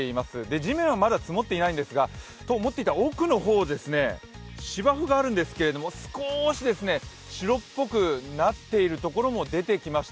地面はまだ積もっていないんですが、と思ったら奥の方で芝生があるんですが少し白っぽくなっているところも出てきました。